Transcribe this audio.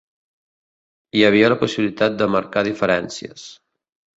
Hi havia la possibilitat de marcar diferències.